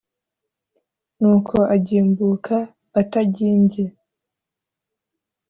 nuko agimbuka atagimbye